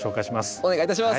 お願いいたします。